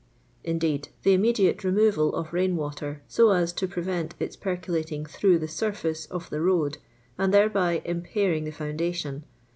Indeed the imme diate removal of rain water, so ns to prevent i*.s percolating through the surface of the road, ar.i thor.l.y impairing the foundation.